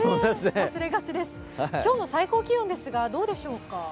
今日の最高気温ですがどうでしょうか？